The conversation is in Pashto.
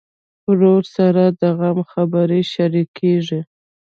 ورور سره د غم خبرې شريکېږي.